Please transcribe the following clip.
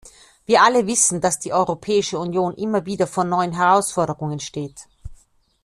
Wir alle wissen, dass die Europäische Union immer wieder vor neuen Herausforderungen steht.